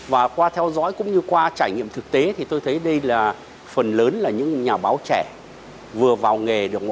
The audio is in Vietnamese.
và qua theo dõi cũng như qua trải nghiệm thực tế thì tôi thấy đây là phần lớn là những nhà báo trẻ vừa vào nghề được một